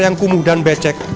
yang kumuh dan becek